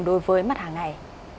đối với mặt hàng này